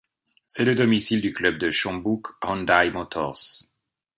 C'est le domicile du club de Chonbuk Hyundai Motors.